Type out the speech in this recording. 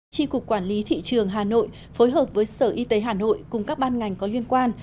tri cục quản lý thị trường hà nội phối hợp với sở y tế hà nội cùng các ban ngành có liên quan